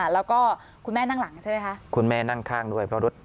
แล้วก็คุณแม่นั่งหลังใช่ไหมคะคุณแม่นั่งข้างด้วยเพราะรถ